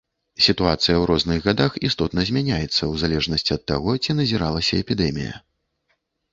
Сітуацыя ў розных гадах істотна змяняецца ў залежнасці ад таго, ці назіралася эпідэмія.